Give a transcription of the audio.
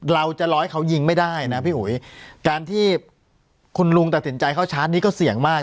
เราจะร้อยเขายิงไม่ได้นะพี่อุ๋ยการที่คุณลุงตัดสินใจเข้าชาร์จนี้ก็เสี่ยงมาก